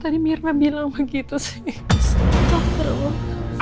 tadi mirna bilang begitu sih